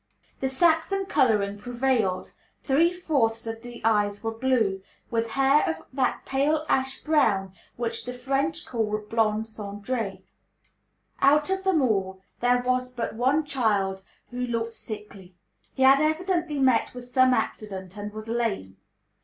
The Saxon coloring prevailed; three fourths of the eyes were blue, with hair of that pale ash brown which the French call "blonde cendrée" Out of them all there was but one child who looked sickly. He had evidently met with some accident, and was lame.